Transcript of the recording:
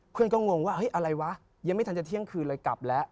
เพื่อนก็งงว่าเฮ้ยอะไรวะยังไม่ทันจะเที่ยงคืนเลยกลับแล้ว